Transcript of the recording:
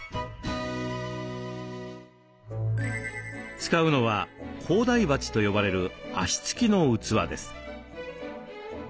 使うのは高台鉢と呼ばれる脚付きの器です。